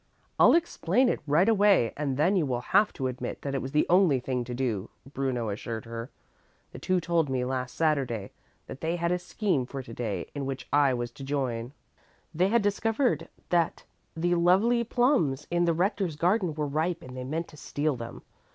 "I'll explain it right away and then you will have to admit that it was the only thing to do," Bruno assured her. "The two told me last Saturday that they had a scheme for to day in which I was to join. They had discovered that the lovely plums in the Rector's garden were ripe and they meant to steal them.